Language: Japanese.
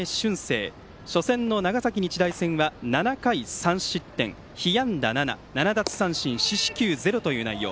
初戦の長崎日大戦は７回３失点被安打７、７奪三振四死球０という内容。